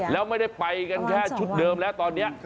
แล้วไม่ได้ไปกันแค่ชุดเดิมแล้วตอนนี้